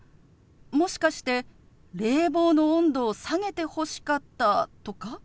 もしかして冷房の温度を下げてほしかったとか？